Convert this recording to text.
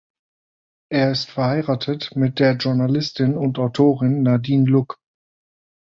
Er ist verheiratet mit der Journalistin und Autorin Nadine Luck.